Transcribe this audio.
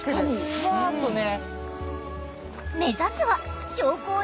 ふわっとね。